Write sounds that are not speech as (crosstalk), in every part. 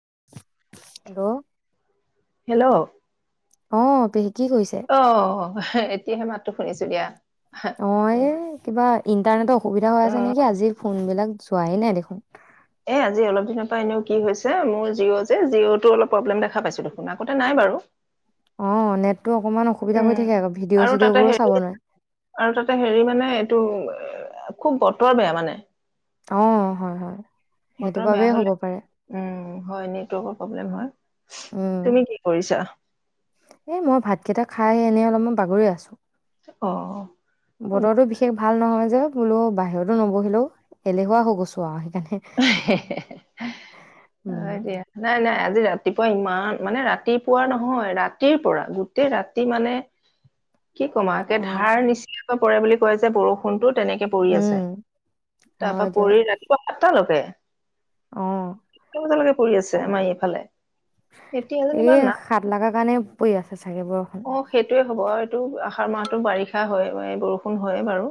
Hello hello. অ' পেহী। কি কৰিছে অ', এহ‌ এত হে মাতটো শুনিছো দিয়া। অ', এ, কিবা ইন্টাৰনেটৰ অসুবিধা হৈ অ আছে নেকি আজি ফোন বিলাক যোৱাই নাই দেখোন! এ, আজি অলপ দিনৰ পৰা এনেও কি হৈছে, মোৰ জিঅ' যে, জিঅ'টো অলপ প্ৰব্লেম দেখা পাইছো দেখোন। আগতে নাই বাৰু। অ', নেট টো অকমান অসুবিধা কৰি উম। থাকে আকৌ। ভিডিঅ' আৰু চিডিঅ' তাতে বোৰো হেৰি চাব নোৱাৰে। আৰু তাতে হেৰি মানে এইটো খুব বতৰ বেয়া মানে। অ হয় হয় সেইটো বতৰ বেয়া বাবেই হ'ব হলে, পাৰে উম, হয় নেটৱৰ্কৰ প্ৰব্লেম হয়। তুমি কি কৰিছা? এ, মই ভাতকিটা খা খাই এনেই অলমান বাগৰি আছোঁ। অ। বতৰটো বিশেষ ভাল নহয় যা বোলো বাহিৰতো নবহিলো, এলেহুৱা হৈ গৈছো আৰু আহি উম হয় দিয়া, নাই নাই আজি ৰাত তিপুৱা ইমান, মানে ৰাতিপুৱা নহয় ৰাতিৰ পৰা, গোটেই ৰাতি মানে কি কম আও, একে অ ধাৰ নিচ পৰে বুলি কয় যে বৰষুণটো তেনেকে পৰি আছে। উম তাৰ পা হয় দিয়ক পৰি ৰাতিপুৱা অ তিয়ালৈকে। (inaudible) পৰি আছে আমাৰ এইফালে। এতিয়া যেনিবা এই, নাই সাত লাগা কাৰণে পৰি আছে চাগে বৰষুণ। অ সেইটোৱে হ'ব এইটো, আষাৰ মাহটো বাৰিষা হয় বৰষুণ হয়ে বাৰু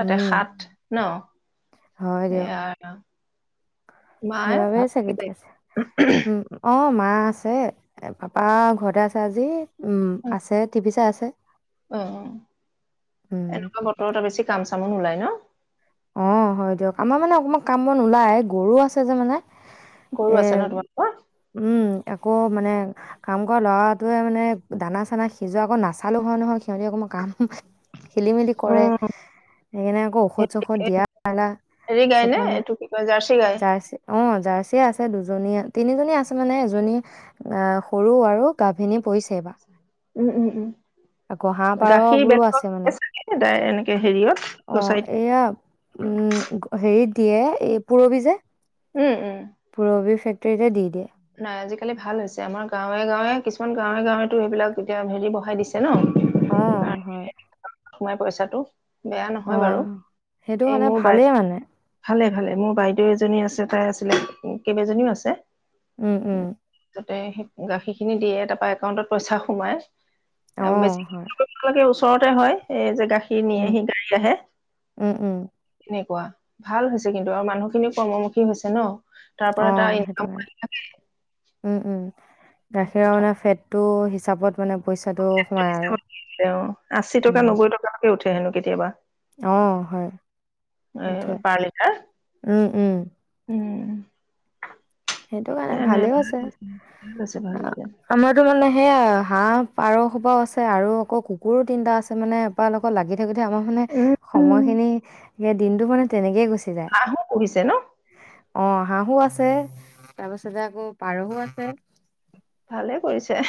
তাতে উম সাত, ন, এইয়া সেইবাবেই চাগে দি আছে। উম, অ', মা মা আছে, পাপা ঘৰতে আছে আজি উম, অ আছে টিভি চাই আছে, অ উম। এনেকুৱা বতৰত বেছি কাম চামো নোলাই ন। অ', হয় দিয়ক। আমাৰ মানে অকমান কাম বন ওলায়, গৰু আছে যে মানে। গৰু এ আছে ন তোমালোকৰ? উম, আকৌ মানে, কাম কৰা ল'ৰাটোৱে মানে দানা চানা সিজোৱা আকৌ নাচালেও হয় নহয় সিহঁতি অকমান কাম, খেলি মেলি অ কৰে। সেইকাৰণে আকৌ ঔষধ চৌষধ দিয়া হেৰি গাই চব নে মানে এইটো কি কয় জাৰ্চি গাই? অ, জাৰ্চিয়ে আছে দুজনী, তিনিজনীয়ে আছে মানে, এজনী সৰু আৰু, গাভিনী পৰিছে এইবাৰ। উম, উম, উম। আকৌ হাহ পাৰ গাখীৰ বোৰো বেলেগত আছে মানে চাগে তাই এনেকে হেৰিয়ত চচাইটি অহ' এয়া উম, হেৰিত দিয়ে এই পৰবি যে উম উম পূৰবী ফেক তিতে দি দিয়ে। আজিকালি ভাল হৈছে আমাৰ গাৱে - গাৱে কিছুমান গাৱে গাৱেতো সেইবিলাক এতিয়া হেৰি বহাই দিছে ন। অহ ' হয়। সোমাই পইচাটো। বেয়া নহয় অহ বাৰু ' সেইটো এই হলে মোৰ বাই ভালেই মানে। ভালে - ভালে মোৰ বাইদেউ এজনী আছে তাই আছিলে কেইবাজীও আছে। উম - উম। তাতে সেই গাখীৰখিনি দিয়ে তাৰপৰা একাউণ্টত পইচা সোমায়। অ আহ হয় বেছি ওচৰতে হয়। এই যে গাখীৰ নি উম আহি গাড়ী আহে উম উম এনেকুৱা ভাল হৈছে কিন্তু আৰু মানুহখিনিও কৰ্মমুখী হৈছে ন। তাৰ অ পৰা এটা সেইটো কাৰণে ইনকাম। উম - উম। গাখীৰৰ কথা মানে ফেট টো হিচাপত মানে পইচাটো সোমাই আৰু আশী টকা নব্বৈ টকালৈকে উঠি। হেনো কেতিয়াবা। অহ ' হয় এ এইটোৱে পাৰ লিটাৰ উম - উম। উম সেইটো কাৰণে নাই নাই ভালে ভাল আছে হৈছে ভাল হৈছে আমাৰতো মানে সেয়া হাহ পাৰসবাও আছে আৰু আকৌ কুকুৰো তিনটা আছে মানে এপোকৰ লাগি স গতি আমাৰ মানে উম সময়খিনি এ দিনতটো মান তেনেকে গৈছে। সাহু পঢ়িছে ন। অহ 'হাহু আছে। তাৰ পাছতে আকৌ পাৰহো আছে। ভালে কৰিছে।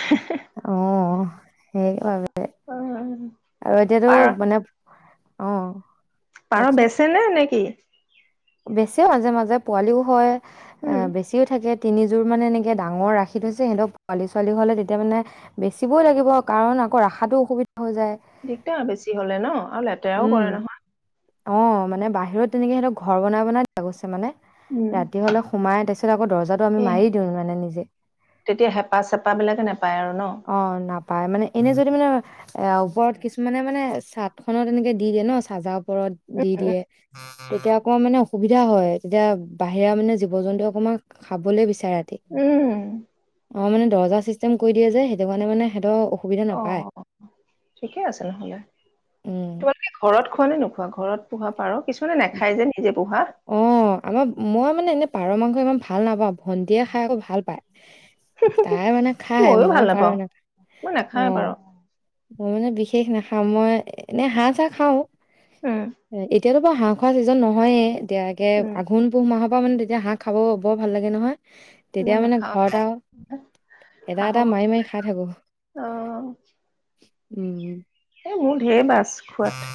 অহ ' সেইবাবে অ' আৰু এতিয়াতো পাৰ মানে। অহ ', পাৰ বেচ নে - নে কি? বেছি মাজে - মাজে পোৱালিও হয়। উম অহ 'বেছিও থাকে। তিনিযোৰ মানে এনেকৈ ডাঙৰ ৰাখি থৈছে সিহঁতক পোৱালী ছোৱালী হ'লে তেতিয়া মানে বেচিবই লাগিব কাৰণ আকৌ ৰাখাটো অসুবি দিগদাৰ বেছি হ'লে ন আৰু লে তেৰাও কৰে নহয়। অ' মানে বাহিৰত তেনেকে সিহঁতক ঘৰ বনাই- বনাই দিয়া গৈছে মানে। উম ৰাতি হ'লে সোমাই তাৰপিছত আকৌ দৰ্জাটো আমি এই মাৰি দিওঁ মানে নিজে। তেতিয়া হেঁপা চেপা বিলাকে নোপায় আৰু ন অঁ, না পায় মানে এনে যদি মানে এ ওপৰত কিছুমানে মানে চাট খনত তেনেকে দি দিয়ে ন চাজা ওপৰত দি দিয়ে। তেতিয়া অকমান মানে অসুবিধা হয়, তেতিয়া বাহিৰা মানে জীৱ জন্তু অকণমান খাবলে বিচাৰ উম। অ' মানে দৰজা চিষ্টেম কৰি দিয়ে যে সেইটো কাৰণে মানে সিহঁতৰ অসুবিধা নাপায় অ' ঠিকে আছে নহ'লে, উম তোমালোকে ঘৰত খোৱা নে নোখোৱা ঘৰত পোহা পাৰ কিছুমানে নাখায় যে নিজে পোহা অ' আমাৰ মই মানে এনে পাৰ মাংস ইমান ভাল নাপাও। ভণ্টিয়ে খাই আকৌ ভাল পায়, তাই মানে খায় ময়ো মই ভাল পাৰ নাপাওঁ না, মই নাখাওঁৱে অঁ। বাৰু মই মানে বিশেষ নাখাওঁ মই এনে হাঁহ চাহ খাও। উম এ এতিয়াতো বাৰু হাঁহ খোৱা ছিজন নহয়ে। এতিয়া একে উম আঘোন পুহ মাহত তাৰ মানে তেতিয়া হাঁহ খাব বৰ ভাল লাগে নহয়। তেতিয়া মই মানে নাখাওঁ ঘৰত আৰু হাঁহৰ এটা-এটা মাংস মাৰি- মাৰি খাই থাকো। অ' উম। মোৰ ঢেৰ বাছ খোঁৱাত।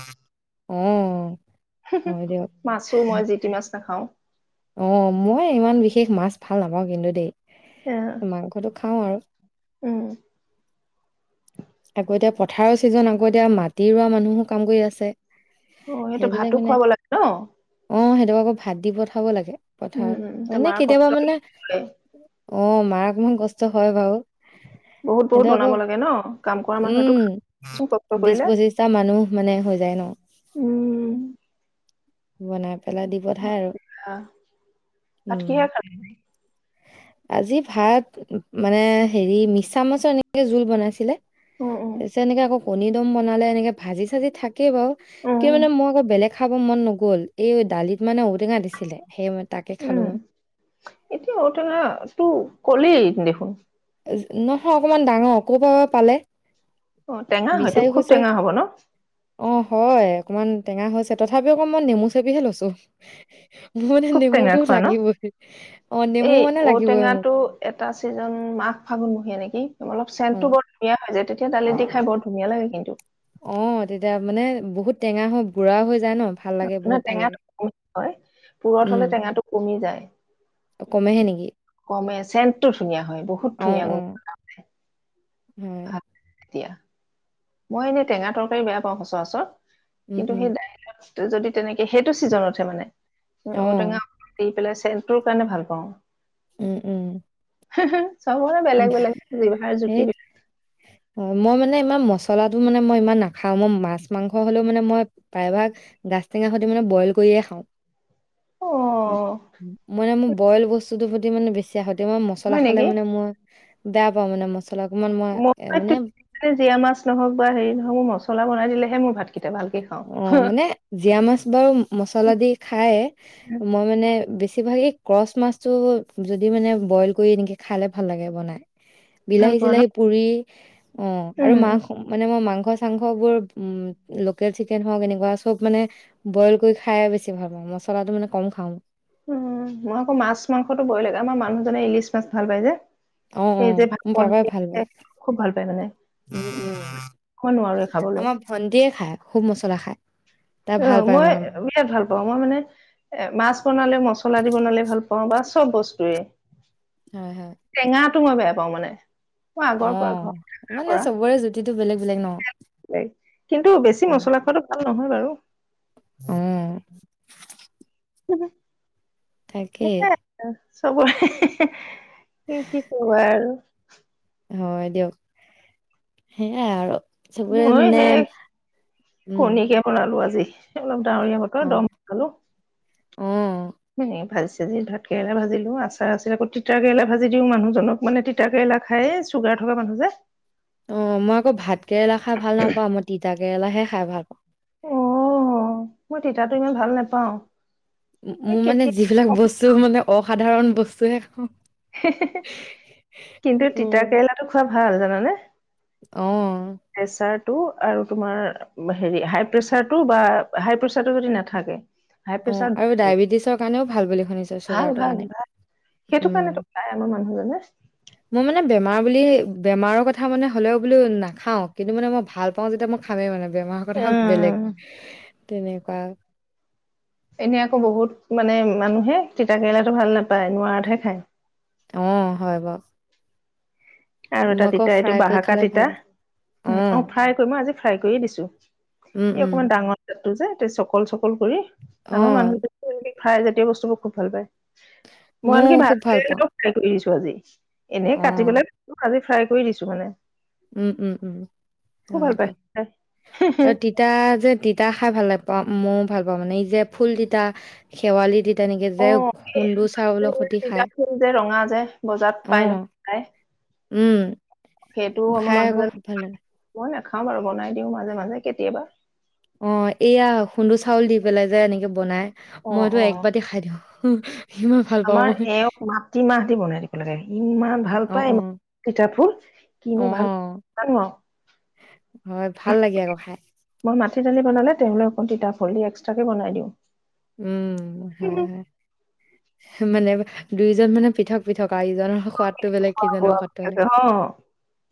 অঁ। মাছো মই জিতি মাছ নাখাও। অ' মই ইমান বিশ শেষ মাছ ভাল নাপাওঁ কিন্তু দেই। এ মাংসটো খাও আৰু। উম আকৌ এতিয়া পথাৰৰ ছিজন আকৌ এতিয়া মাটি ৰোৱা মানুহো কাম কৰি আছে। অ' সিহঁতক ভাতো খুৱাব লাগে ন। তেওঁক আকৌ ভাত দি পথাব লাগে। উম পথাৰত, উম তে মানে মাৰ কেতিয়াবা কষ্ট মানে অ', মাৰ‌ অকণমান কষ্ট হয় বাৰু বহুত বহুত সিহঁতক আকৌ বনাব লাগে ন? কাম কৰা মানুহেতো উম, চোন কষ্ট বিশ কৰিলে পঁচিশটা মানুহ মানে হৈ যায় ন? উম বনাই পেলাই দি পঠাই আৰু। ভাত উম কিহে খালি আজি ভাত মানে হেৰি, মিছামাছৰ এনেকে জোল বনাইছিলে উম উম তাছত এনেকৈ আকৌ কণী দম বনালে, এনেকে ভাজি চাজি থাক কেই বাৰু, উম কি মানে মই আকৌ বেলেগ খাব মন নগ'ল। এই দালিত মানে ঔটেঙা দিছিলে, সেয়ে মই তাকে খালো টেঙা টো কৰি দেখোন নহয় অকমান ডাঙৰ। ক'ৰ পা বা পালে অ', টেঙা হয়তো, বিচাৰি খুব খুচাৰি টেঙা হ'ব ন? অ, হয়, অকমান টেঙা হৈছে। তথাপিও আকৌ মই নেমু চেপিহে লৈছো। মোৰ মানে খুব টেঙা নেমুটো খোৱা ন লাগিবই, অ, নেমু এই মানে লাগিবই মোক। ঔটেঙাটো এটা ছিজন মাঘ ফাগুনমহীয়া নেকি অলপ অ চেণ্টটো বৰ ধুনীয়া হৈ যায় তেতিয়া তেতিয়া দালিত দি খাই বৰ ধুনীয়া লাগে কিন্তু। অ', তেতিয়া মানে বহুত টেঙা হৈ বুঢ়া হৈ যায় ন ভাল লাগে নহয়, বহুত ভাল লাগে টেঙাটো কম হয়, পুৰঠ উম হলে টেঙাটো কমি যায়। কমেহে নেকি কমে চেণ্টটো ধুনীয়া হয়, বহুত অঁ ধুনীয়া গুণ অঁ (inaudible) হয় মই এনে টেঙা তৰকাৰী বেয়া পাওঁ সচৰাচৰ উম কিন্তু উম সেইদাইলত যদি তেনেকে সেইটো চিজনতহে মানে অঁ ঔটেঙা দি, পেলাই (unintelligible) টোৰ কাৰণে ভাল পাওঁ। উম, উম। চবৰে বেলেগ, বেলেগ জিভাৰ জুতি বিলা অ', মই মানে ইমান মচলাটো মানে মই ইমান নাখাওঁ, মই মাছ, মাংস হ'লেও মানে মই প্ৰায়ভাগ গাজ টেঙা সতি মানে বইল কৰিয়ে খাওঁ। অ (unintelligible) মোৰ বইল বস্তুটোৰ প্ৰতি মানে বেছি (unintelligible) মই মছলা হয় খালে মানে মই (inaudible) এ মই মানে জীয়া মাছ নহওক বা হেৰি নহক মোৰ মছলা বন দিলেহে মোৰ ভাত অ মানে জিৰা মাছ বাৰু মছলা দি খাই মই মানে বেছি ভা এই ক্ৰচ মাছটো যদি মানে বইল কৰি এনেকে খালে ভাল লাগে বনাই ভাল বিলাহী পোৱা ন? চিলাহী পুৰি অ আৰু উম, মা মানে মই মাংস মাংস চাংস বোৰ লোকেল চিকেন হওক এনেকুৱা চব মানে বইল কৰি খাই বেছি ভাল পাওঁ মছলাটো মানে কম খাওঁ উ মই আকৌ মাছ মাংসটো বয় লাগে আমাৰ মানুহজনে ইংলিছ মাছ ভাল পায় যে অ অ এই যে মোৰ ভাপত পাপাই ভাল দিয়ে পায় খুব ভাল পায় মানে। মই নোৱাৰোৱে খাবলৈ। আমাৰ ভন্টিয়ে খায় খুব মছলা খায় তাই অ ভাল পায় মই মানে বিৰাট ভাল পাওঁ মই মানে এ মাছ বনালে মছলা দি বনালে ভাল পাওঁ বা বা চব বস্তুৱে হয় হয় টৌ মই বেয়া পাওঁ মানে মই অ আগৰ পৰা ঘৰাৰ মানে পৰা চবৰে জুতিটো বেলেগ বেলেগ ন কিন্তু বেছি মছলা খোৱাাতটো ভাল অহয় বাৰু উম উ তাকে চবৰে কি কবা আৰু হয় দিয়ক সেয়াই আৰু চবৰে মই মানে সেই উম কণীকে বনালো আজি অ ডাৱৰীয়া বতৰ অ দম খালো অ হে ভাত কেৰেলা ভাজিলো আচাৰ আছিল আকৌ তিতা কেৰেলা ভাজি দিও মানুহজনক মানে তিতা কেৰেলা খায়েই চুগাৰ থকা মানুহ যে অ মই আকৌ ভাত কেৰেলা খাই ভাল নাপাওঁ মই তিতাকে কেৰেলাাহে খাই ভাল পাওঁ অ মই তিতাটো ইমান ভাল নেপাওঁ মোৰ মানে যিবিলাক বস্তু মানে অসাধাৰণ বস্তুৱে খাওঁ হে-হে-হে, কিন্তু তিতা উম, কেৰেলাটো খোৱা ভাল জানানে অ'। টো আৰু তোমাৰ হেৰি হাই প্ৰেচাৰটো বা হাই প্ৰেছাৰটো যদি নাথাকে হাই অ প্ৰেচাৰ আৰু ডায়েবেটিছৰ কাৰণেও ভাল বুলি শুনিছো চুগাৰটোৰ কাৰণে উম তাই আমাৰ মানুহজনে মই মানে বেমাৰ বুলি বেমাৰৰ কথা মানে হ'লেও বোলো নাখাওঁ কিন্তু মানে মই ভাল পাওঁ যেতিয়া মই খামেই মানে বেমাৰ কথা বেলেগ উম তেনেকুৱা এনেই আকৌ বহুত মানে মানুহে তিতা কেৰেলাটো ভাল নাপায় নোৱাৰাতহে খায় অ হয় ব আৰু এটা তিতা এইটো কৰি বাহাকা খালে তিতা ভাল লাগে উম অ ফ্ৰাই কৰি মই আজি ফ্ৰাই কৰিয়ে দিছো উম, এই উম। অকমান ডাঙৰ টোৰযে চকল চকল কৰি আমাৰ অ', মানুহ (unintelligible) ফ্ৰাই জাতীয় বস্তুবোৰ খুব ভাল পায় মই ময়ো খুব ভাল পাওঁ। আনকি (unintelligible) ছো (unintelligible) এনেই অ', কাটিবলৈ আজি ফ্ৰাই কৰি দিছোঁ মানে। উম, উম, উম, খুব হয় ভাল পায় দিয়ক, খাই। আৰু তিতা যে তিতা। খাই ভাল নাপাওঁ মইও ভাল পাওঁ মানে এই যে ফুল তিতা, শেৱালি তি তেনেকে অ যে, খুন্দু চাউলো খুতি তিতা খাই, ফুল যে ৰঙা যে বজাৰত অ, পাই নহয় খাই উম, খাই আকৌ খুব ভাল লাগে। খাম আৰু বনাই। দিও মাজে মাজে কেতিয়াবা অ', এইয়া (unintelligible) চাউল দি পেলাই যে এনেকে বনায়। অ মইতো এক অ বাটি খাই দিওঁ। (unintelligible) পাওঁ আমাৰ মই। এওক মাটিমাহ দি বনাই দিব লাগে ইমান ভাল অ', পাই, অ', তিতাফুল। কিনো ভাল অ', নাজানো আৰু হয় ভাল লাগে আকৌ খাই। তিতা দালি বনালে তেওঁলে অকণ তিতা হলি এক্সট্ৰাকে বনাই দিওঁ। উম হয় হয় মানে দুইজন মানে পৃথক পৃথক আৰু ইজনৰ সোৱাদ অ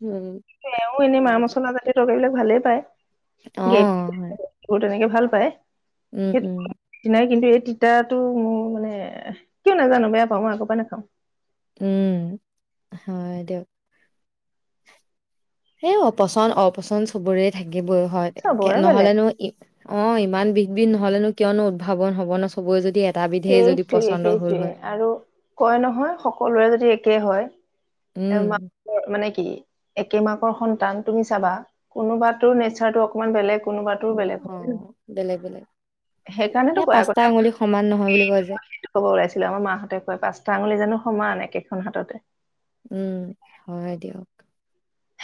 উম, এনেই মা হয় দিয়ক। মছলা জাতীয় তৰকাৰী বিলাক ভালেই পায় অ', হয়, গ্ৰেবোৰ তেনেকে ভাল পায়। উম, উম, সেইটো কিন্তু এই তিতাটো মোৰ মানে কিয় নাজানো বেয়া পাওঁ মই আগৰ পৰাই নাখাওঁ। উম হয় দিয়ক। সে অপচন্দ অপচন্দ চবোৰে থাকে। (unintelligible) হয় চবৰে বেলেগ নহ'লেনো অ ইমান বিষ বিষ নহ'লেনো কিয়নো উদ্ভাৱন হব ন চবৰে যদি। এটা বিধেই যদি সেইটোৱে পচন্দৰ হ'ল সেইটোৱে হয়। আৰু কয় নহয় সকলোৰে যদি একে উম, হয় ম মানে একে মাকৰ সন্তান তুমি চাবা কোনোবাতো নেচাৰটো অকনমান বেলেগ কোনোবাতোৰ বেলেগ অ হয় বেলেগ বেলেগ সেইকাৰণেতো এ কয় পাঁচটা আগতে আঙুলি সমান নহয় বুলি কয় যে, সেইটো খব ওলাইছিলো আমাৰ মাহঁতে কয় পাঁচটা আঙুলি জানো সমান একেখন হাততে। উম হয় দিয়ক।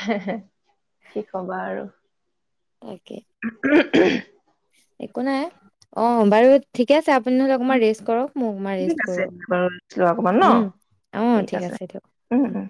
হে হে কি কবা আৰু (inaudible) তাকে উমহ একো নাই অ বাৰু ঠিকে আছে আ আপুনি নহ'লে অকণমান ৰেষ্ট কৰক মও অকণমান ঠিক ৰেষ্ট আছে কৰোঁ বাৰু অকমান ন অঁ ঠিক আছে দিয়ক। উম উম